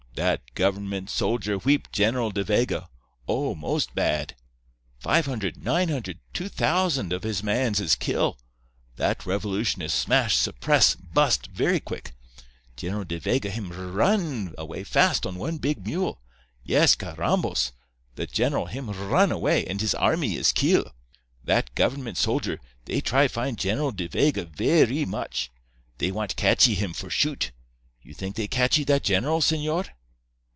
That government soldier wheep General De Vega—oh, most bad. Five hundred—nine hundred—two thousand of his mans is kill. That revolution is smash suppress—bust—very quick. General De Vega, him r r run away fast on one big mule. Yes, carrambos! The general, him r r run away, and his armee is kill. That government soldier, they try find General De Vega verree much. They want catchee him for shoot. You think they catchee that general, señor?